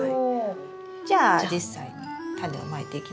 じゃあ実際にタネをまいていきましょう。